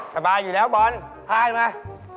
สบายอยู่แล้วบอลพ่ายมา